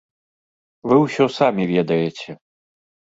Вы ўсё самі ведаеце.